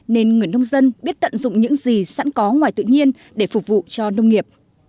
nên người nông dân biết tận dụng những gì sẵn có ngoài tự nhiên để phục vụ cho nông nghiệp